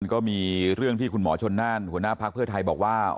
ก็มีเรื่องที่คุณหมอชนน่านหัวหน้าพักเพื่อไทยบอกว่า